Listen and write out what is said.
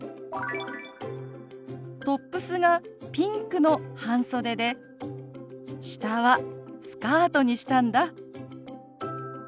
「トップスがピンクの半袖で下はスカートにしたんだ」。